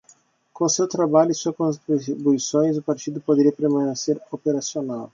Com seu trabalho e suas contribuições, o partido poderia permanecer operacional.